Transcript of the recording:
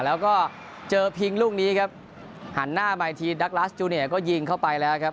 แล้วก็เจอพิงลูกนี้ครับหันหน้ามาอีกทีดักลัสจูเนียก็ยิงเข้าไปแล้วครับ